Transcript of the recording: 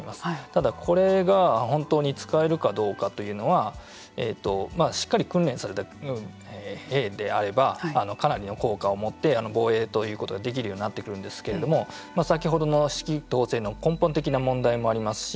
ただこれが本当に使えるかどうかというのはしっかり訓練された兵であればかなりの効果を持って防衛ということができるようになってくるんですけれども先ほどの指揮統制の根本的な問題もありますし